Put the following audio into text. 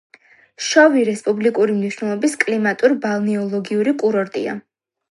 შოვი რესპუბლიკური მნიშვნელობის კლიმატურ-ბალნეოლოგიური კურორტია.